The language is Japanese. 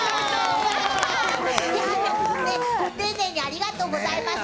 ご丁寧にありがとうございます。